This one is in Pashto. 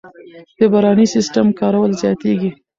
د باراني سیستم کارول زیاتېږي.